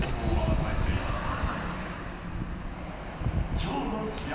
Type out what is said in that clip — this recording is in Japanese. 今日の試合